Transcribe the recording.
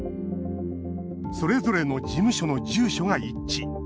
それぞれの事務所の住所が一致。